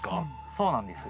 そうなんです。